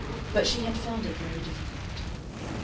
But she had found it very difficult.